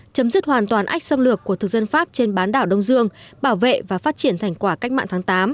chấm dứt hoàn toàn ách xâm lược của thực dân pháp trên bán đảo đông dương bảo vệ và phát triển thành quả cách mạng tháng tám